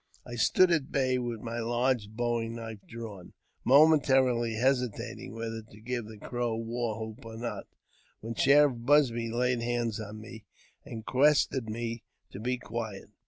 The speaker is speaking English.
I stood at bay, with my huge bowie knife drawn, momen tarily hesitating whether to give the Crow war whoop or not, when Sheriff Buzby laid hands on me, and requested me to be , quiet.